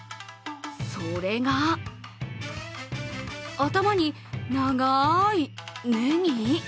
それが頭に長いネギ？